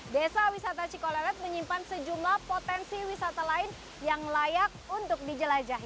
desa wisata cikolelet menyimpan sejumlah potensi wisata lain yang layak untuk dijelajahi